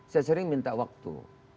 saya sering minta waktu